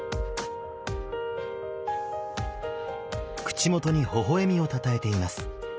口元にほほ笑みをたたえています。